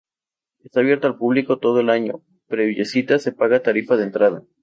Está abierto al público todo el año previa cita, se paga tarifa de entrada.